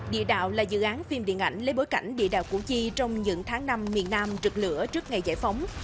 địa đạo là dự án phim điện ảnh lấy bối cảnh địa đạo củ chi trong những tháng năm miền nam trực lửa trước ngày giải phóng